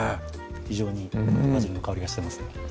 非常にバジルの香りがしてますね